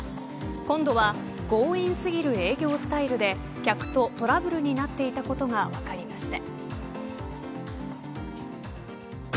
今度は、強引すぎる営業スタイルで客とトラブルになっていたことが分かりました。